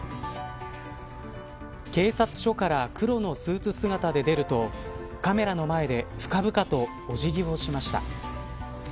警察署から黒のスーツ姿で出るとカメラの前で深々とお辞儀をしました。